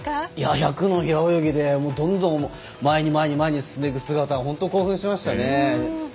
１００の平泳ぎでどんどん前に前に進んでいく姿本当興奮しましたね。